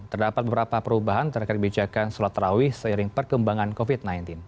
terdapat beberapa perubahan terkait bijakan solat tarawih seiring perkembangan covid sembilan belas